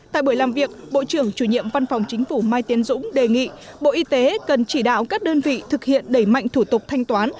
tại buổi làm việc bộ trưởng chủ nhiệm văn phòng chính phủ mai tiến dũng đề nghị bộ y tế cần chỉ đạo các đơn vị thực hiện đẩy mạnh thủ tục thanh toán